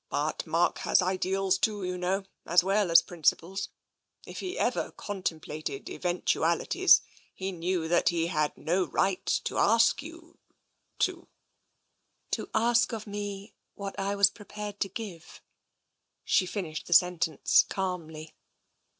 " But Mark has ideals too, you know, as well as principles. If he ever contemplated eventualities, he knew that he had no right to ask you — to ^"" To ask of me what I was prepared to give; " she finished the sentence calmly.